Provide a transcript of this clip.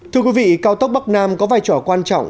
thưa quý vị cao tốc bắc nam có vai trò quan trọng